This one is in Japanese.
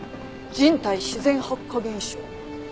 人体自然発火現象。